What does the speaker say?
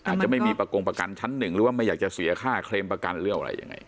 อาจจะไม่มีประกงประกันชั้นหนึ่งหรือว่าไม่อยากจะเสียค่าเคลมประกันหรืออะไรยังไง